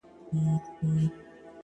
د زلفو بڼ كي د دنيا خاوند دی;